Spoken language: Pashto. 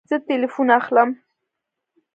زه تلیفون اخلم